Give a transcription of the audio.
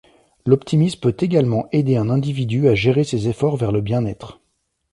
L'optimisme peut également aider un individu à gérer ses efforts vers le bien-être.